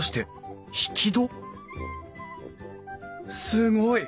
すごい！